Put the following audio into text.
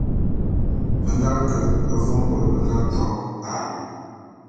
Be nga ke vôm bôt bé nga to alu.